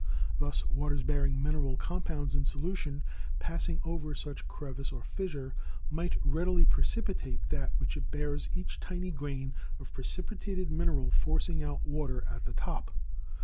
Thus waters bearing mineral compounds in solution, passing over such crevice or fissure, might readily precipitate that which it bears, each tiny grain of precipitated mineral forcing out water at the top.